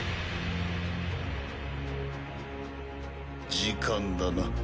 時間だな。